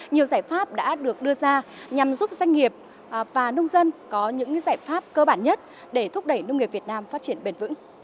nhiều giải pháp đã được đưa ra nhằm giúp doanh nghiệp và nông dân có những giải pháp cơ bản nhất để thúc đẩy nông nghiệp việt nam phát triển bền vững